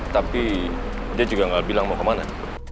tapi dia juga nggak bilang mau kemana